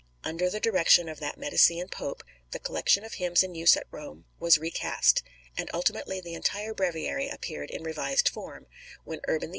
Under the direction of that Medicean Pope, the collection of hymns in use at Rome was recast; and ultimately the entire Breviary appeared in revised form, when Urban VIII.